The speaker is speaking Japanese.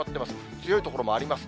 強い所もあります。